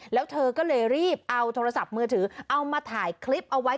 แล้วเธอก็เลยรีบเอาโทรศัพท์มือถือเอามาถ่ายคลิปเอาไว้